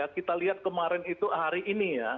kita lihat kemarin itu hari ini ya